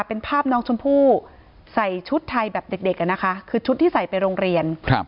เป็นภาพน้องชมพู่ใส่ชุดไทยแบบเด็กอ่ะนะคะคือชุดที่ใส่ไปโรงเรียน